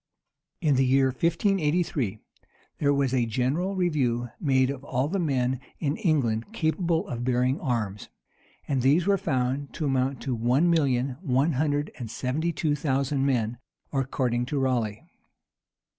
In the year 1583, there was a general review made of all the men in England capable of bearing arms; and these were found to amount to one million one hundred and seventy two thousand men, according to Raleigh.